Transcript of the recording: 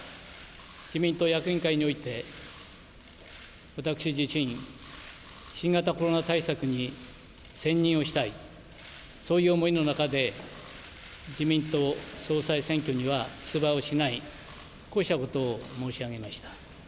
自民党役員会において、私自身、新型コロナ対策に専任をしたい、そういう思いの中で、自民党総裁選挙には出馬をしない、こうしたことを申し上げました。